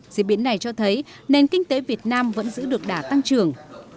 diễn biến này cho thấy nền kinh tế việt nam vẫn giữ được đả tăng trưởng